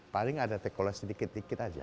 paling ada tekolasi sedikit sedikit aja